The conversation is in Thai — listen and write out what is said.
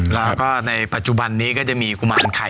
แล้วก็ในปัจจุบันนี้ก็จะมีกุมารไข่